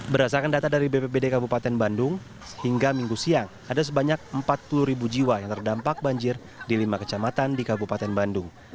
berdasarkan data dari bpbd kabupaten bandung sehingga minggu siang ada sebanyak empat puluh ribu jiwa yang terdampak banjir di lima kecamatan di kabupaten bandung